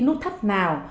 nút thắt nào